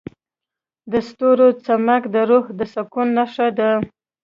د ستورو چمک د روح د سکون نښه ده.